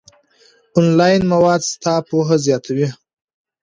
آنلاین مواد ستا پوهه زیاتوي.